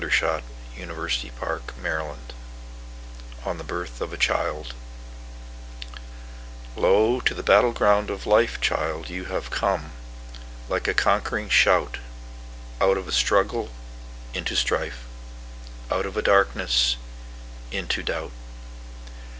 Louis Untermeyer1885–1977 On the Birth of a Child LO, to the battle ground of Life, Child, you have come, like a conquering shout, Out of a struggle—into strife; Out of a darkness—into doubt.